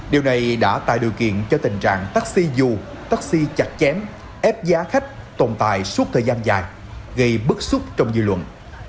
điều này đã tạo điều kiện cho tình trạng taxi dù taxi chặt chém ép giá khách tồn tại suốt thời gian dài gây bức xúc trong dư luận